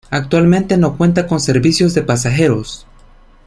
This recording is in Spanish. Actualmente no cuenta con servicios de pasajeros.